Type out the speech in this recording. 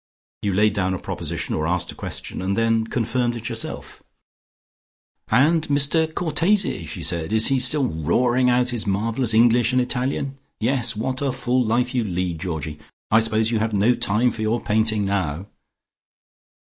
You laid down a proposition, or asked a question, and then confirmed it yourself. "And Mr Cortese," she said, "is he still roaring out his marvellous English and Italian? Yes. What a full life you lead, Georgie. I suppose you have no time for your painting now."